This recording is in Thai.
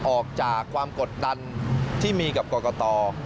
ออกจากความกดดันที่มีกับกรกต